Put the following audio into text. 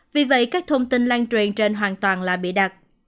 vì vậy các thông tin lan truyền trên hoàn toàn là bịa đặt